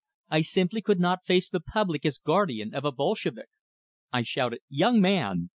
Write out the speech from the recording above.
I simply could not face the public as guardian of a Bolshevik! I shouted: "Young man!"